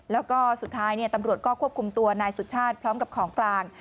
แล้วก็สุดท้ายตำรวจก็ควบคุมตัวนายสุชาติพร้อมกับของกลาง